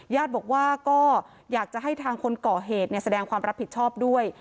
ญาติบอกว่าก็อยากจะให้ทางคนก่อเหตุแสดงความรับผิดชอบด้วย